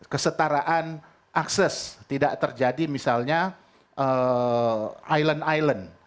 kesetaraan akses tidak terjadi misalnya island island